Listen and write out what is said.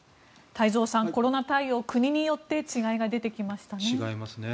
太蔵さん、コロナ対応国によって違いが出てきましたね。